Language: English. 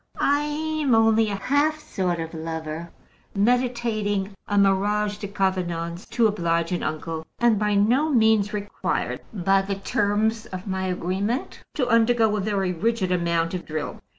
I'm only a half sort of lover, meditating a mariage de convenance to oblige an uncle, and by no means required by the terms of my agreement to undergo a very rigid amount of drill.